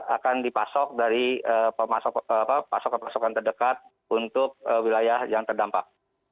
akan dipasok dari pasokan pasokan terdekat untuk wilayah yang terdampak